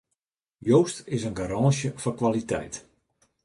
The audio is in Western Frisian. Joost is in garânsje foar kwaliteit.